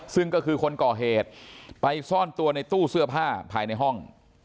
ซึ่งก็คือคนก่อเหตุไปซ่อนตัวในตู้เสื้อผ้าภายในห้อง